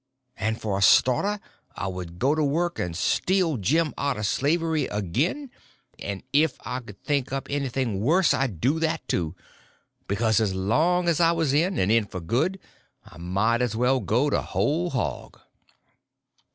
And for a starter I would go to work and steal Jim out of slavery again; and if I could think up anything worse, I would do that, too; because as long as I was in, and in for good, I might as well go the whole hog.